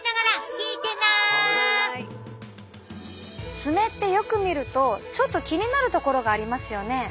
爪ってよく見るとちょっと気になる所がありますよね。